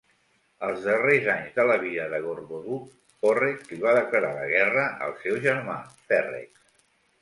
Als darrers anys de la vida de Gorboduc, Porrex li va declarar la guerra al seu germà, Ferrex.